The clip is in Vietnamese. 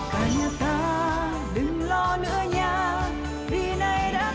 cả nhà ta đừng lo nữa nha vì nay đã có tây thơ